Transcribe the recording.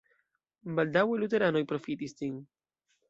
Baldaŭe luteranoj profitis ĝin.